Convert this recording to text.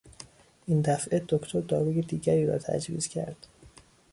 این دفعه دکتر داروی دیگری را تجویز کرد.